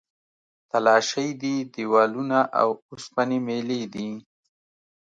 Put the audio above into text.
تلاشۍ دي، دیوالونه او اوسپنې میلې دي.